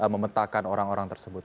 menyelamatkan orang orang tersebut